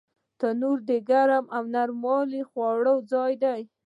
تنور د ګرمۍ او نرمو خوړو ځای دی